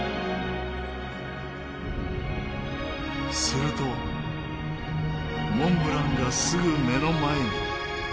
するとモンブランがすぐ目の前に。